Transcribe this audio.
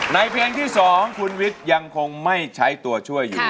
ในเพลงที่๒คุณวิทย์ยังคงไม่ใช้ตัวช่วยอยู่